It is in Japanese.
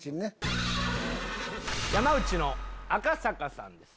山内の赤坂さんです